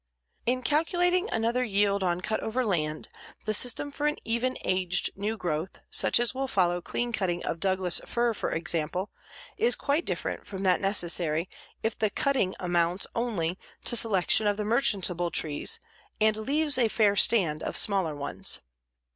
In calculating another yield on cut over land, the system for an even aged new growth, such as will follow clean cutting of Douglas fir, for example, is quite different from that necessary if the cutting amounts only to selection of the merchantable trees and leaves a fair stand of smaller ones.